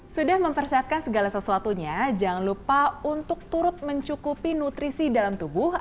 sudah mempersiapkan segala sesuatunya jangan lupa untuk turut mencukupi nutrisi dalam tubuh